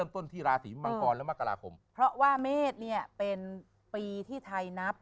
ต้นที่ราศีมังกรและมกราคมเพราะว่าเมษเนี่ยเป็นปีที่ไทยนับ